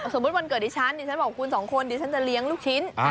วันเกิดดิฉันดิฉันบอกคุณสองคนดิฉันจะเลี้ยงลูกชิ้น